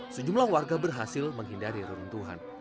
sejumlah warga berhasil menghindari reruntuhan